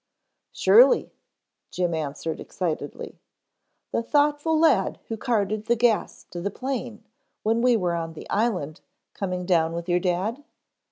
"Surely," Jim answered excitedly. "The thoughtful lad who carted the gas to the plane when we were on the Island coming down with your dad?"